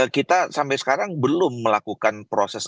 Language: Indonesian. kita sampai sekarang belum melakukan proses